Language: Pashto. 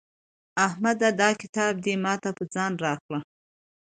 احمده دا کتاب دې ما ته په ځان راکړه.